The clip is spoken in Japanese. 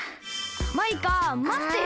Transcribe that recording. マイカまってよ。